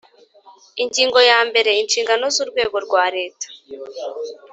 Ingingo ya mbere Inshingano z urwego rwa Leta